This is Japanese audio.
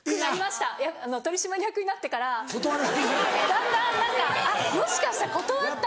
だんだん何かもしかしたら断ったらと。